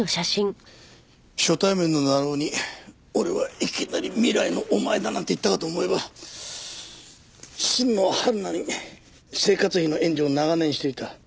初対面の鳴尾に俺はいきなり未来のお前だなんて言ったかと思えば新野はるなに生活費の援助を長年していた。